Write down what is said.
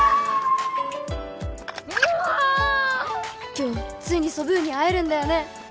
今日ついにソブーに会えるんだよね？